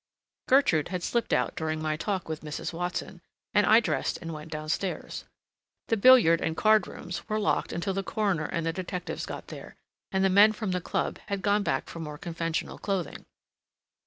Gertrude had slipped out during my talk with Mrs. Watson, and I dressed and went down stairs. The billiard and card rooms were locked until the coroner and the detectives got there, and the men from the club had gone back for more conventional clothing.